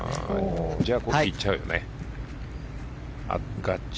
じゃあこっちいっちゃうよね。